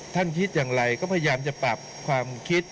คิดอย่างไรก็พยายามจะปรับความคิด